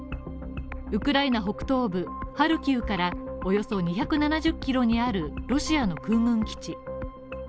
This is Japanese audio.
ウクライナ北東部ハルキウからおよそ２７０ｋｍにあるロシアの空軍基地。